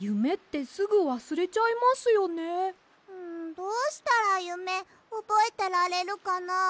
どうしたらゆめおぼえてられるかな？